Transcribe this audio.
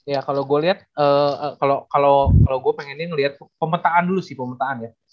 iya kalau gue liat kalau gue pengenin liat pemetaan dulu sih pemetaan ya